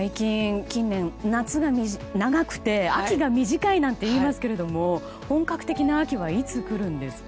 近年、夏が長くて秋が短いなんていいますけども本格的な秋はいつ来るんですか。